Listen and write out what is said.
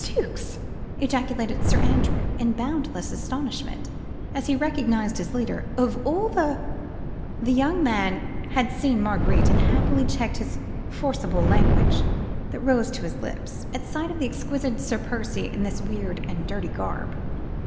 "Zooks!" ejaculated Sir Andrew in boundless astonishment as he recognised his leader, "of all the ..." The young man had seen Marguerite, and happily checked the forcible language that rose to his lips, at sight of the exquisite Sir Percy in this weird and dirty garb.